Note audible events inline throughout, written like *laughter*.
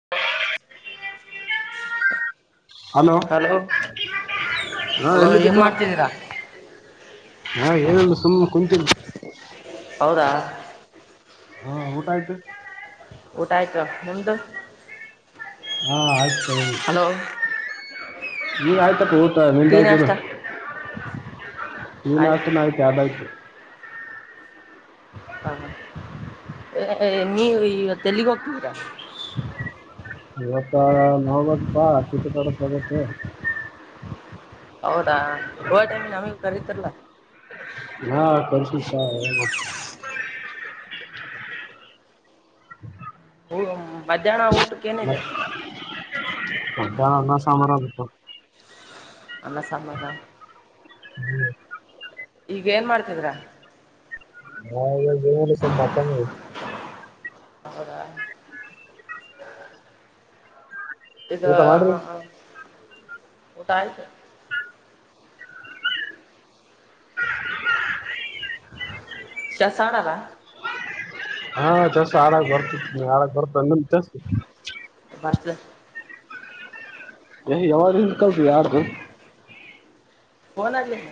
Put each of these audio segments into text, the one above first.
*unintelligible* Hello ಹಾ hello ಏನ್ ಎಲ್ಲಿದ್ದೀಪ್ಪಾ ಮಾಡ್ತಿದ್ದೀರಾ ಹಾ ಏನಲ್ಲ ಸುಮ್ಮನೆ ಕುಂತಿನ್ ಹೌದಾ ಹಾ ಊಟ ಆಯ್ತು ಊಟ ಆಯ್ತು ನಿಮ್ದು ಹಾ ಆಯ ಹಲೋ ನೀನ್ ಆಯ್ತಪ್ಪಾ ಉಟ್ ಟೀ ನಿಂದಾಯ್ತರು ನಾಷ್ಟ ನೀನಷ್ಟನ ಆಯ್ತು ಆಡ್ಾಯ್ತು ಹಾ ಈ ತೆಲ್ಲಿಗೋಪ್ತರಾ ಇವತ್ತ ನೌಬಾದಕಾ ಚತ ತಡೆ ತಗುತ್ತ ಹೌದಾ ಓವರ್ ಟೈಮ್ ನಮಗ್ ಕರೀತರ್ಲ್ಲಾ ಹಾ ಕಸು ಸ ಊ ಮಧ್ಯಾಹ್ನ ಊ ಮತ್ತ ಅನ್ನ ಸಾಂಬಾರದು ಅ ಸಮದ ಹ್ಮ್ ಈಗ ಏನ್ ಮಾಡ್ತಿದ್ರ ಹಾ ಎ ಜವ ರ ಸಂಭಾತ ಅವೌರ ಇದು ಊಟ ಮಾಡ್ರಿ ಹ ಹಾ ಊಟ ಆಯ್ತು ಚೆಸ್ ಆಡಣ್ಣ ಹಾ ಚಸ ಆಡಾಗ ಬರ್ತಿತಿ ಆಡಾಗ ಬರ್ತ ನಮರ್ಸ ಮತ ರಿ ಯಾವಾಗಿಂದ ಕಲ್ಸ ಯಾರ್ದು ಕನ್ ಆಗಲಿಲ್ಲ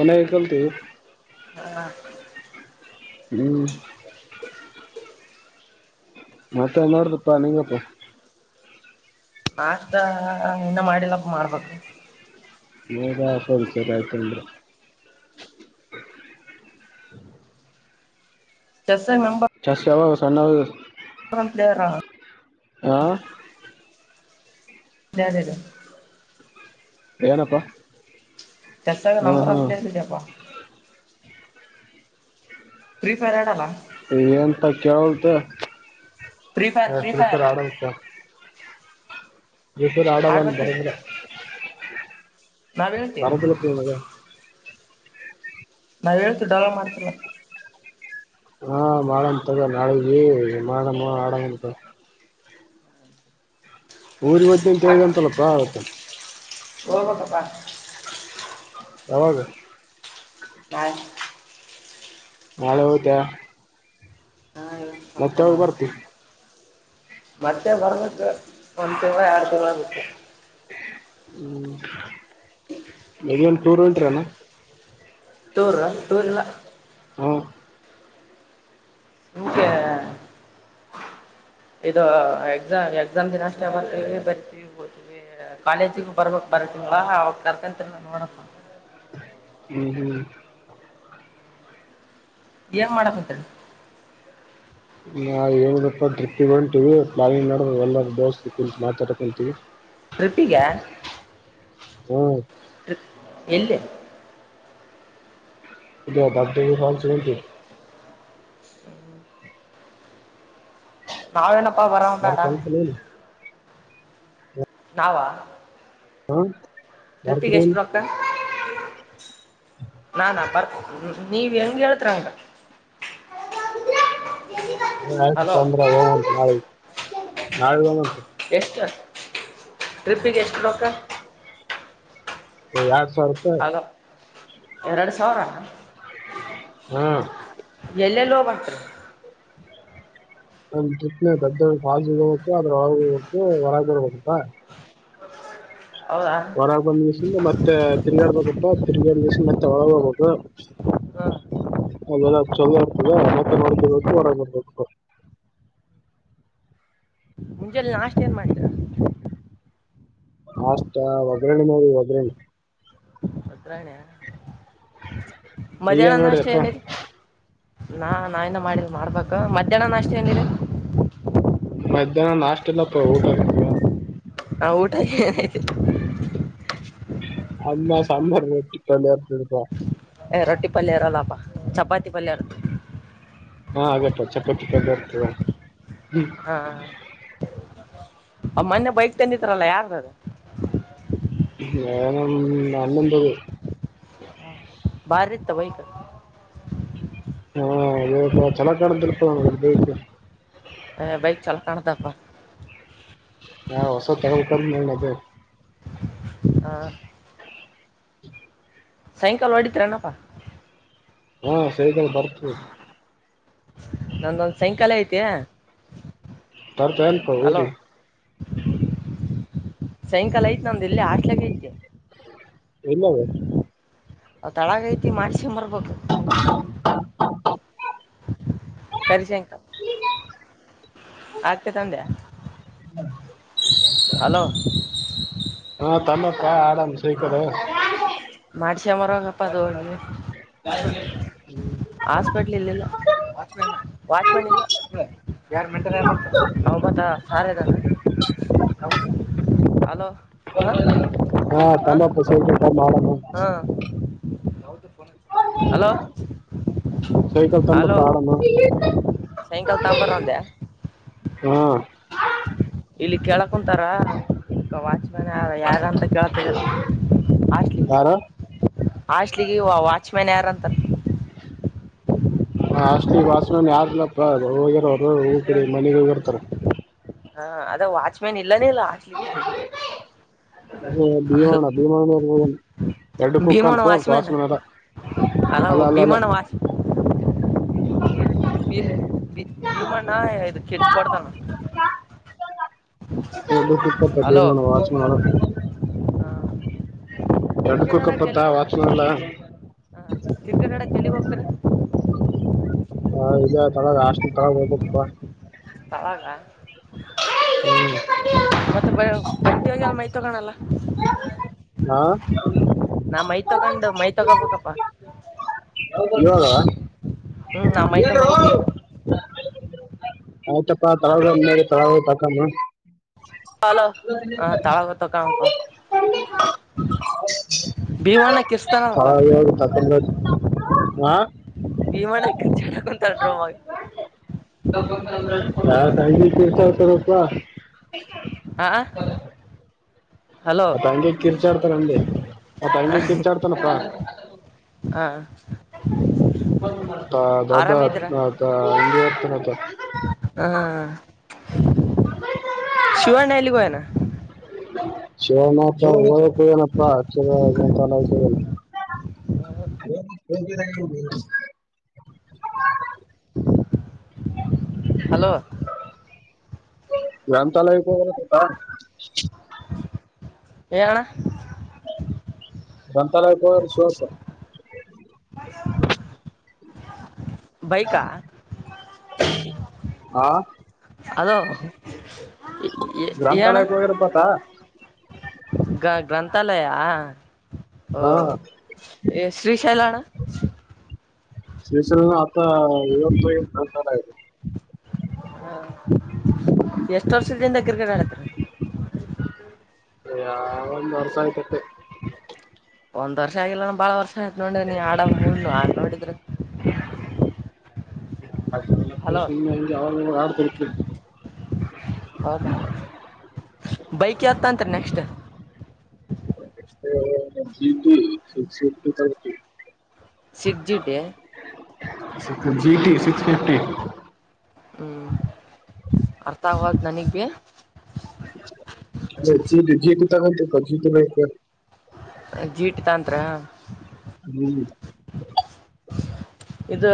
ಒ ಿಕಲ್ತಿ ಹಾ ಹ್ಮ್ ಮತ್ತೆ ನೋಡ್ದಪ್ಪಾ ನಿಂಗಪ್ಪಾ ನಾಷ್ಟ ಇನ್ನ ಮಾಡಿಲ್ಲಪ್ಪ ಮಾಡ್ಬೇಕು ನೀಗ ಆಫರ್ ವಿಚರಿ ಆಯ್ತನ್ರಿ ಚೆಸ್ ಚಶ ಯ ಸ್ಣ ಒಂದ್ ಪ್ಲೇಯರ್ ಹಾ ದದ *unintelligible* ಏನಪ್ಪ ಚಷ್ಟತ ನಮಗ ರಾಮ ಪ್ಲೇಟ್ಲಿಿಗೆಪಾ *unintelligible* ಪ್ರಫೀಫೈರ್ ಹಡಲ್ಲ ಏಂತ ಕೇಳ್ದಸರ್ ಫ್ರೀ ಫೈರ್ ಫ್ರೀ ಫೈರ್ ಆಡಸ ಫ್ರೀಫೈರ್ ಆಡಲಾ ಆಡ್ಬೇಕು ಬರೇಂಗಿಲ ನಾವ್ ಹೇಳ್ತಿವಿ ಮರದಲ್ಲ ಕೊಣಾಗ ನಾವ ಹೇಳ್ತೀವಿ ಡಲ ಮಾಡ್ತಿಲ್ಲ ಹಾ ಮಾಡಂತದ ನಾಳಿಗೆ ಮಾಡ ಮಾಡಂತ ಊರಿಗೆ ಹದ್ದಂತ ಹೇಳ್ದಂತಲ್ಲಪ್ಪತ್ತ ಹೋಗ ಕಪ್ಪಾ ಯಾವಾಗ ನಾಳ್ ನಾಳೆ ಹೋತೇ ನಾಳೆ ಸ್ವಲ್ಪ ಮತ್ತೆವಾಗ ಬರ್ತಿ ಮತ್ತೆ ಬರ್ಬೇಕು ಒಂದ್ ತಿಂಳ ಎರಡು ತಿಂಳ ಬೇಕ ಹ್ಮ್ ಹೆಲ್ಲಿನ್ ಟೂರ್ ಉಂಟರನಾ ಟೂರ್ ಟೂರ್ ಎಲ್ಲ ಹ್ಮ *unintelligible* ಇದು ಎಕ್ಸಾಮ್ ಎಕ್ಸಾಮ್ ದಿನ ಅಷ್ಟೇ ಮತವಿ ಬರ್ತೀವಿ ಗವಿ ಕಾಲೇಜಿಗು ಬರ್ಬೇಕಕ್ ಬರ ತಿಗಳ ಅವಾಗ ಕರ್ಕಂತರಿ ನ ನೋಡಪ್ಪ ಹ್ಮ್ ಹ್ಮ್ ಏನ್ ಮಾಡತ್ ನಾ ಹೇಳುದಪ್ಪ ಟ್ರಿಪ್ ಇಗಂತೀವಿ ಪ್ಲಾನಿಂಗ್ ಮಾಡ ಎಲ್ಲರ ದೋಸ್ತ್ ಕು ಮಾತಾಡಕೊಂತೀವಿ ಟ್ರಿಪ್ಪಿಗೆ ಹ್ಮ್ ಇಲ್ಲಿ *unintelligible* ನಾವೇನಪ್ಪಾ ಬರೋ ಬೇಡ ಬರ್ತಂತ ನೀನು ನಾವ ಹ್ಮ ಟ್ರಿಪ್ಪಿಗೆ ಎಷ್ಟು ರೊಕ್ಕ ನಾನಾ ಬರ್ ನೀ ಹೆಂಗ ಎತ್ರ *inaudible* ತ ಹಲೋ ಪಂದ್ರ ಹಂಟು ನಾಳ ನಾಳ ಒಂದು ಉಂಟು ಎಷ್ಟು ಟ್ರಿಪ್ಪಿಗೆ ಎಷ್ಟು ಲಕ್ಕ ಯ ಆಗ ಎರಡು ಸಾವಿರ ಹಾ *inaudible* ಎಲ್ಲೆ ಲೋಬಕೊ *inaudible* ನಮ ಪ್ನೆ ದಡ್ ಹ ಹೋಗತು ಅದ್ರಳ ಹತು ಹೊರ ಬರ್ ಹತ್ತಾ ಹೌದಾ ಹಾಂ ಹೊರಾಗ ಬಂದ್ ದಿವಸಿಂದ ಮತ್ತೆ ತಿರ್ಗಾಡ್ಬೇಕಪ್ಪಾ ತಿರ್ಗಾಡಿ ದಿವಸ ಮತ್ತೆ *unintelligible* ಅಲ್ಲಲ್ಲ ಚಲ ಇರ್ತದೆ ಅತ್ತಡ್ ಇರ್ಬೇಕು ಹೊರಬೇಕು ಮುಂಚೆ ಲಾಸ್ಟ್ ಏನ್ ಮಾಡ್ತ ಅಷ್ಟ ಒಗ್ರಣೆ ನೋಡಿ ಒಗ್ರರಣೆ ಓಗ್ರಾಣಿ ಈಗ ಮಧ್ಯಾಹ್ನನ ಅಷ್ಟೇ ನೋಡಿಯಪ್ಪ ಏನಿದರು ನಾ ನಾವನ ಮಾಡಿದ ಮಾಡ್ಬೇಕ ಮಧ್ಯಾಹ್ನ ನಾಷ್ಟ ಏನಿದೆ ಮಧ್ಯಾಹ್ನ ನಾಷ್ಟಟ್ ಎಲ್ಲಪ್ಪ ಊಟ ಇರ್ತವ ಹಾ ಊಟ ಅಣ ಸಾಂಬಾರುಟ್ಟತ ರೊಟ್ಟಿ ಪಲ್ಯ ಇರಲ್ಲಪ್ಪ ಚಪಾತಿ ಪಲ್ಯರ ಹಾ ಆಗತ್ತ ಚಕ್ಕ ಚಕ್ಕಾಗಿ ಬರ್ತದೆ ಅವ ಮೊನ್ನೆ ಬೈಕ್ ತಂದಿದಾರಲ್ಲ ಯಾರ ನಾನು ಅಣ್ಣ ನನ್ನೆಂದ ಅರಿತವೈಕ ಹಾ ಅಪ್ಪ ಚಲ ಕಡ್ದಲ್ಪಾ ನಮ್ ಅದಬೇಕು ಹ ಬೈಕ್ ಚಾಲ ಕಾಣದಪ್ಪ ಹಾ ಹೊಸ ತಗೋಬೇಕು ಅಂದೆನಾಲ ಅದೇ ಹ ಸಾಯಂಕಾಲ ಅಡಿತರನಪ್ಪ ಹ್ಮ್ ಸೈಕಲ್ ಬರ್ತೀಧೆ ನೊಂದದು ಸೈಕಲ್ ಐತೆ ತರ್ತ ಅಲ್ಪ ಊರಿ ಸೈಕಲ್ ಐತ್ ನಮ್ದುಲ್ಲಿ ಹಾಸ್ಟೆಲ್ ಐತೆ ಎಲ್ಲವೇ ಅ ತಳಾಗ ಐತಿ ಮಾಡಸ ಮರ್ಬೇಕು ಕರಿಶಂಕ ಆ ತಂದೆ ಹಲೋ ತನ್ನಪ್ಪ ಆಡಾಮ ಸೈಕಲ್ ಚಮರಪ್ಪ ಅದು ಹಾಸ್ಪೆಟ್ಲ್ ಇಲ್ಲ *unintelligible* ಹ ಹಲೋ ಹಾಂ ಹಾ ಹಾಂ ತಮ್ಮಪ್ಪ ಸ ತ ಮಾಡ ಹಾಂ ಹಲೋ ಸೈಕಲ್ ತಂಬ ಹಲೋ ಪಾಡಮ ಸಾಯಂಕಾಲ ತಾಂಬರ ಅಂದೆ ಹ್ಮ ಇಲ್ಲಿ ಕೇಳಕ್ ಕುಂತಾರ ವಾಚ್ಮ್ಯಾನ್ ಯಾರ ಯಾರ ಅಂತ ಕೇಳ್ತಿದೀರ ಯಾರ ಆಶ್ಲಿಗೆ ವಾಚ್ಮ್ಯಾನ್ ಯಾರಂತಾರ ಹ ಅಷ್ಟ ಈ ವಾಸವನ ಯಾರಿಲ್ಲಪ್ಪ ಹೋಗಿರರು ಹೂ ಮನೆಗ್ ಹೋಗಿರ್ತಾರ ಹಾ ಅದ ವಾಚ್ಮ್ಯಾನ್ ಇಲ್ಲಾನೇ ಇಲ್ಲ ಹಕ್ಲಿಕ್ಕೆ ಭೀಮಾಣ ಭೀಮ ಎರಡು ಕುಕ್ಕ ಭೀಮಣ್ಣ ಅಂತು ಅ ವಾಚ್ಮ್ಯಾನ್ ತಸ್ಮನಾರ ಅಲ್ಲ ಭೀಮಣ ಮಾ ಹ ಭೀಮ ನಾ ಇದು ಕೆಟ್ಟು ಪಡ್ತಾನ ಪ್ಪ ತಬೀಜ ಮನೋ ಆಸ ಮಾಡ ಕಿರ್ಕೆಟ್ ಹಡಕ್ಕೆ ಎಲ್ಲಿಗ್ ಹೋಗ್ತಾರೆ ವಾಚ್ಮನ್ ಅಲ್ಲ ಹ ಕಿಕೆಟ್ ಹಡಕ್ಕೆ ಎಲ್ಲಿಗ್ ಹೋಗ್ತಾರೆ ಹ ಅವಾವಾಗ ಹ್ಮ್ ಮತ್ತೆ ಬ ಬಟ್ಟಿ ಹೋಗ ಎಲ್ಲ ಮೈ ತಗಣಲ್ಲ ಹಾ ನಾ ಮೈ ತಗೊಂಡು ಮೈ ತಗೋಬೇಕಪ್ಪ ಹ್ಮ್ ನಾ ಮೈ ಇವಾಗ ತಗೋಬೇಕು ಈಗ ಆಯ್ತಪ್ಪ ಹಾ- ತೇ ತತಕಮ್ಮ ಹಲೋ ಹ ತಾಳಗ ತ ಕಾಣಪ ಭೀಮಣ್ಣ ಕಿರ್ಸ್ತಾನಲ್ಲಪ್ಪಾ ತಾವ ತಕೊಂಡ ನ ಹಾ ಹಾ ಭೀಮಣ್ಣ ಕಿರ್ಚಾಡ ಕುಂತಾನ ಡ್ರೋಮಾಗ ಸ *unintelligible* *unintelligible* ಸಪ್ಪ ಹ ಹಲೋ ಮತ್ತ ಹಂಗೆ ಕಿರ್ಚಾಡ್ತಾರಲ್ಲಿ ಮತ್ತ ಹಂಗೆ ಕಿರ್ಚಾಡ್ತಾನಪ್ಪ ಹ ಹ ದಾದಾ ಹಂಗಗೆ ಇರ್ತೀನತ ಹಾ ಶಿವಣ ಏಲಿಗೋಯನಾ ಶಿವನ ಹೋಗ ಏನಪ್ಪಾಂತಲ್ಲ ಆಯತ *unintelligible* ಹತ *unintelligible* ಹಲೋ ಗ್ರಂಥಾಲಯ ಏನಾಣ್ಣ ಗಂತಾಲಪ ಶುಸ ಬೈಕ ಹಾ ಹಲೋ ಎ ಹೇಳಣ್ಣ ಗ್ರಂಥಾಲಯಕ್ಕೆ ಹೋಗ್ಯಾರಪ್ಪ ಆತ ಗ ಗ್ರಂಥಾಲಯ ಓ ಹಾ ಶ್ರೀಶೈಲಣ ಶ್ರೀಶೈಲ ಅಂತ *unintelligible* *unintelligible* ಎಷ್ಟ್ ವರ್ಷದದಿಂದ ಕ್ರಿಕೆಟ್ ಆಡತೀರ ಯಾವ ಒಂದು ವರ್ಸಾಯತ್ *unintelligible* ಒಂದ್ ವರ್ಷ ಆಗಿಲ್ಲಾನ ಬಾಳ ವರ್ಷ ಆಯತತ್ ನೋಡ್ರೆ ನೀನ್ ಆಡ ಮೂಡ್ನು ಆ ನೋಡಿದ್ರೆ. ಹಲೋ ಹೌದಾ *unintelligible* ಬೈಕ್ ಯ್ಯಾ ತಾಂತಿ next *unintelligible* ಸಿಡ್ಜ *unintelligible* G T six fifty *unintelligible* ಹ್ಮ್ ಅರ್ಥ ಆಗವಲ್ದು ನನ್ಗೆ ಅದೇ ಜಿ *unintelligible* ಜೀಟ್ ತಂತ್ರ ಹ್ಮ್. ಇದು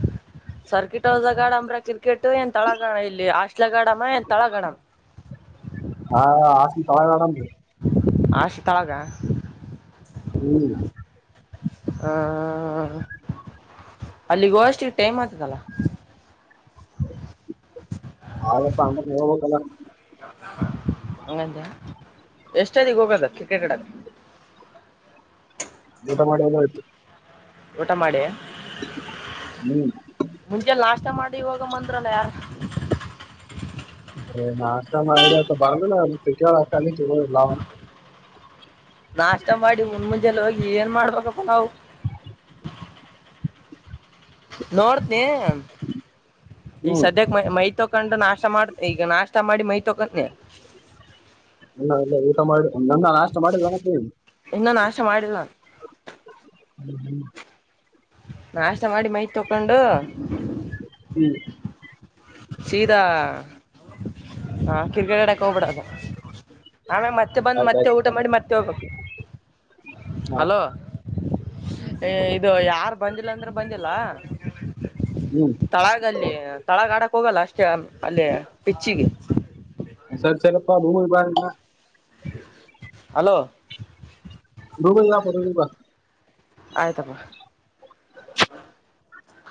*unintelligible* ಸರ್ಕಿಟ್ ಹೌಸ್ ಗಾಡಂಬ್ರ ಕ್ರಿಕೆಟ್ ಏನ್ ತಳಗಣ ಇಲ್ಲಿ ಆಸ್ಲ ಗಾಡಮ್ಮ ಏನ್ ತಳಗಡಣ ಹಾ *unintelligible* ಮೇಡಾಮ ರೀ ಹಸ್ತಲಾಗ ಹ್ಮ್ ಹಾ ಅಲ್ಲಿ ಹೋಗೋ ಅಷ್ಟಿಗೆ ಟೈಮ್ ಆಗ್ತದಲ್ಲ. ಹೌದಪ್ಪ ಹೇಳಬೇಕೆಲ್ಲ ಹಂಗಂದೆ ಎಷ್ಟೊತ್ತಿಗೆ ಹೋಗೋದ ಕ್ರಿಕೆಟ್ ಆಡಕ್ ಊಟ ಮಾಡಿ ಎದೆಳ್ತು ಊಟ ಮಾಡಿ ಹ್ಮ್ ಮುಂಚೆ ನಾಷ್ಟ ಮಾಡಿ ಇವಾಗ ಮಂದ್ರಲ್ಲ ಯಾರು. ಹೇ ನಾಷ್ಟ ಮಾಡ್ದೆ *unintelligible* ನಾಷ್ಟ ಮಾಡಿ ಉಣಮುಂಜೆಲ್ಲಿ ಹೋಗಿ ಏನ್ ಮಾಡ್ಬೇಕಪ್ಪ ನಾವು. ನೋಡ್ತನಿ. ಈ ಹ್ಮ್ ಸದ್ಯಕ್ಕೆ ಮೈ ಮೈ ತೊಕೊಂಡು ನಾಷ್ಟ ಮಾಡ್ತ ಈಗ ನಾಷ್ಟ ಮಾಡಿ ಮೈ ತಕೋತೀನಿ. ಇಲ್ಲ ಇಲ್ಲ ಊಟ ನ ನಾಷ್ಟ ಮಾಡಿಲ್ಲೇನಪ್ಪಿ. ಇನ್ನ ನಾಷ್ಟ ಮಾಡಿಲ್ಲ *unintelligible* ನಾಸ್ಟ ಮಾಡಿ ಮೈತ್ ತಕೊಂಡು. *inaudible* ಸೀದಾ ಹ ಕ್ರಿಕೆಟ್ ಆಡಕ್ ಹೋಗ್ಬಿಡದು. ಆಮೇ ಮತ್ತೆ ಬಂದು ಮತ್ತೆ ಊಟ ಆಯ್ತಾಯ್ತು ಮಾಡಿ ಮತ್ತೆ ಹೋಗು ಹಾ ಅಲೋ ಇದು ಯಾರು ಬಂದಿಲ್ಲ ಅಂದ್ರು ಬಂದಿಲ್ಲ. ಹ್ಮ್ ತಳಾಗ ಅಲ್ಲಿ ತಳಾಗ ಆಡಕ್ ಹೋಗಲ್ಲ ಅಷ್ಟೇ ಅಲ್ಲಿೇ ಪಿಚ್ಚಿಗೆ. ಸರ್ ಸರಿಪ *unintelligible* ಹಲೋ ಗೂಗಲ್ ಮಪ್ ನೋಡಿಬ್ ಆಯ್ತಪ್ಪ